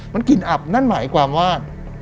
มันกลิ่นอับนั่นหมายความว่า